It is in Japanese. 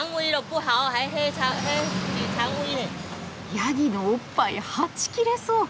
ヤギのおっぱいはち切れそう！